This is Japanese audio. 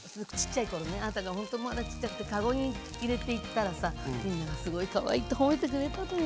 あなたがほんとまだちっちゃくて籠に入れて行ったらさみんながすごいかわいいって褒めてくれたのよ。